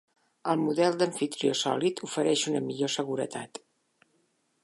El model d'amfitrió sòlid ofereix una millor seguretat.